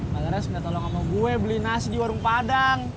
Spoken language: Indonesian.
pada resmi dia tolong sama gue beli nasi di warung padang